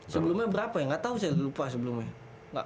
sebelumnya berapa ya nggak tau saya lupa sebelumnya